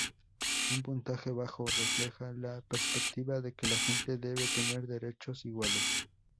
Un puntaje bajo refleja la perspectiva de que la gente debe tener derechos iguales.